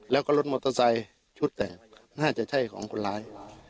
แล้วก็รถมอเตอร์ไซค์ชุดแตกน่าจะใช่ของคนร้าย